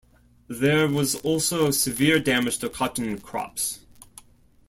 There was also severe damage to cotton crops.